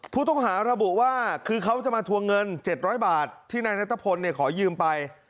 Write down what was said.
ผู้ต้องหาระบุว่าคือเขาจะมาทวงเงิน๗๐๐บาทที่นายนัทพลขอยืมไป